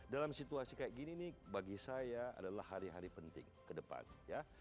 dalam situasi kayak gini nih bagi saya adalah hari hari penting ke depan ya